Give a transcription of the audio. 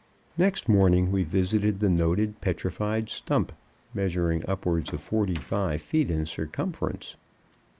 Next morning we visited the noted petrified stump, measuring upwards of forty five feet in circumference.